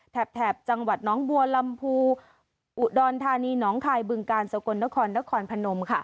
แถบจังหวัดน้องบัวลำพูอุดรธานีน้องคายบึงกาลสกลนครนครพนม